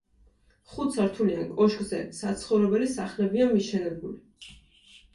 ხუთსართულიან კოშკზე საცხოვრებელი სახლებია მიშენებული.